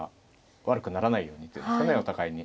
悪くならないようにと言うんですかねお互いに。